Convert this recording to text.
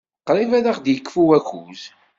Qrib ad aɣ-yekfu wakud.